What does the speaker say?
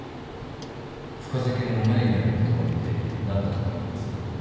「深酒」の前にある言葉って何だったと思います？